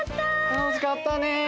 たのしかったね！